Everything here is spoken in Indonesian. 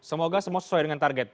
semoga semua sesuai dengan target